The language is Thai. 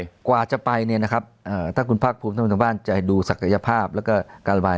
ใช่กว่าจะไปเนี่ยนะครับถ้าคุณภาคภูมิท่านผู้ชมบ้านจะดูศักยภาพแล้วก็การระบาย